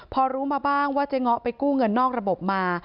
พอรู้มาบ้างว่าเจ๊ง้อไปกู้เงินนอกระบบมา